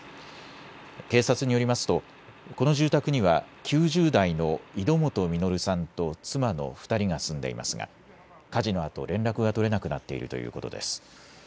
警察によりますとこの住宅には９０代の井戸本実さんと妻の２人が住んでいますが火事のあと連絡が取れなくなっているということです。